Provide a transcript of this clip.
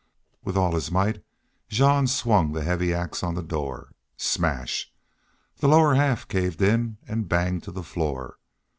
With all his might Jean swung the heavy ax on the door. Smash! The lower half caved in and banged to the floor.